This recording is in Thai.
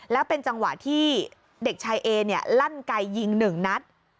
แล้วเป็นจังหวะที่เด็กชายเอเนี่ยลั่นไกยิงหนึ่งนัด